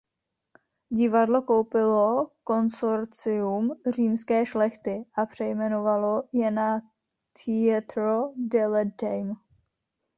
Divadlo koupilo konsorcium římské šlechty a přejmenovalo je na "Teatro delle Dame".